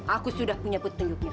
aku sudah punya petunjuknya